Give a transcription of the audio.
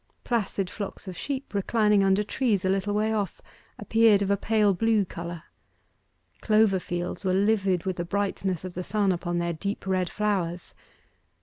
Placid flocks of sheep reclining under trees a little way off appeared of a pale blue colour. Clover fields were livid with the brightness of the sun upon their deep red flowers.